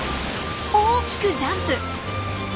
大きくジャンプ！